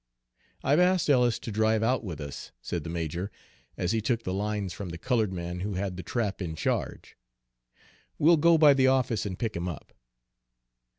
"I've asked Ellis to drive out with us," said the major, as he took the lines from the colored man who had the trap in charge. "We'll go by the office and pick him up."